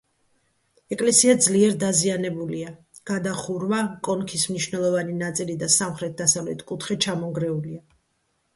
ეკლესია ძლიერ დაზიანებულია: გადახურვა, კონქის მნიშვნელოვანი ნაწილი და სამხრეთ-დასავლეთ კუთხე ჩამონგრეულია.